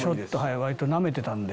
割とナメてたんで。